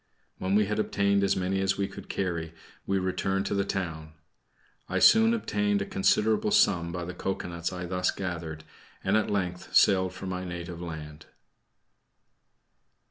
When we had obtained as many as we could carry, we returned to the town. I soon obtained a considerable sum by the cocoanuts I thus gathered, and at length sailed for my native land.